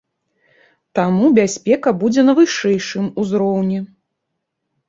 Таму бяспека будзе на вышэйшым узроўні.